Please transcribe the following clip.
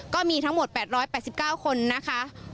ก็มีทั้งหมดแปดร้อยแปดสิบเก้าคนนะคะ